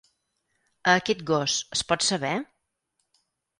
A aquest gos, es pot saber?